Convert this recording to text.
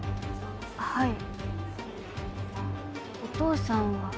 はいお父さんは？